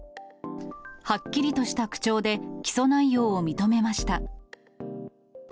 はっきりとした口調で、起訴内容を認めました。